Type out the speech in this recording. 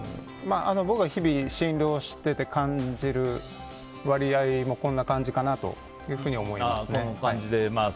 僕は日々、診療していて感じる割合もこんな感じかなと思いますね。